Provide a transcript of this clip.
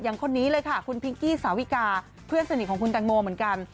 คนนี้เลยค่ะคุณพิงกี้สาวิกาเพื่อนสนิทของคุณแตงโมเหมือนกัน